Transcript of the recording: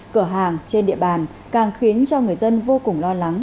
cửa hàng trên địa bàn càng khiến cho người dân vô cùng lo lắng